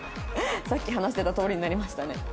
さっき話してたとおりになりましたね。